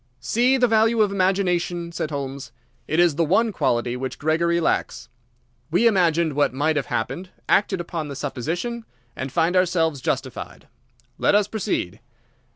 "See the value of imagination," said Holmes. "It is the one quality which Gregory lacks. We imagined what might have happened, acted upon the supposition, and find ourselves justified. Let us proceed."